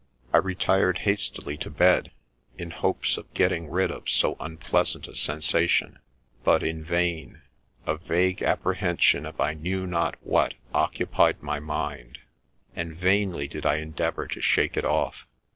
I retired hastily to bed, in hopes of getting rid of so unpleasant a sensation, but in vain ; a vague apprehension of I knew not what occupied my mind, and vainly did I endeavour to shake it off.